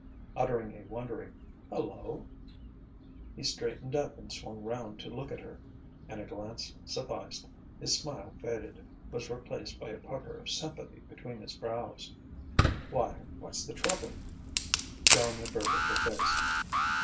Uttering a wondering "Hello!" he straightened up and swung round to look at her. And a glance sufficed: his smile faded, was replaced by a pucker of sympathy between his brows. "Why, what's the trouble?" Joan averted her face.